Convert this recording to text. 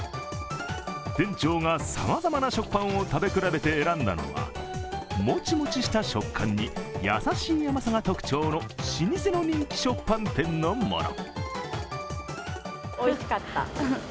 店長がさまざまな食パンを食べ比べて選んだのはもちもちした食感に、優しい甘さが特徴の老舗の人気食パン店のもの。